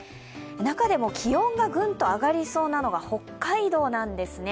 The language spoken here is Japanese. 中でも気温がグンと上がりそうなのが北海道なんですね。